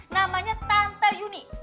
namanya tante yuni